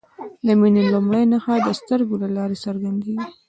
د مینې لومړۍ نښه د سترګو له لارې څرګندیږي.